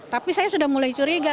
tapi saya sudah mulai curiga